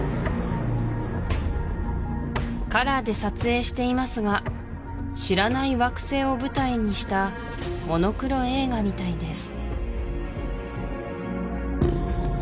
カラーで撮影していますが知らない惑星を舞台にしたモノクロ映画みたいです